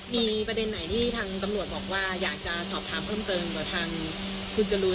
มีประเด็นไหนที่ทางตำรวจบอกว่าอยากจะสอบถามเพิ่มเติมกับทางคุณจรูน